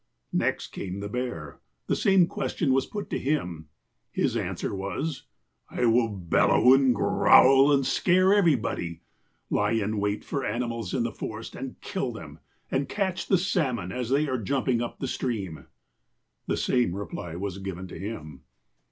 "Next came the bear, — the same question was put to him. His answer was :" 'I will bellow and growl, and scare everybody. Lie in wait for the animals in the forest, and kill them, and catch the salmon, as they are jumping up the stream.' " The same reply was given to him.